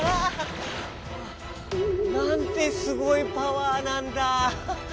ああなんてすごいパワーなんだ。